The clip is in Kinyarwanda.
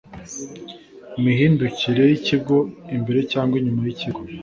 mihindukire y ikigo imbere cyangwa inyuma y ikigo